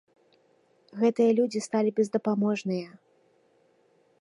Гэтыя людзі сталі бездапаможныя.